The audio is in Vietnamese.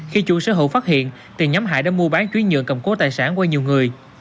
khi chủ sở hữu phát hiện thì nhóm hải đã mua bán chuyên nhuận cầm cố tài sản qua nhiều người